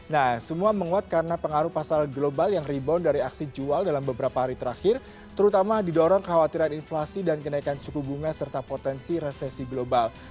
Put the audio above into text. nah semua menguat karena pengaruh pasar global yang rebound dari aksi jual dalam beberapa hari terakhir terutama didorong kekhawatiran inflasi dan kenaikan suku bunga serta potensi resesi global